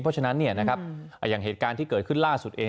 เพราะฉะนั้นอย่างเหตุการณ์ที่เกิดขึ้นล่าสุดเอง